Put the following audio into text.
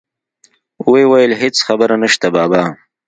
ويې ويل هېڅ خبره نشته بابا.